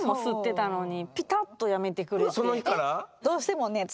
その日から？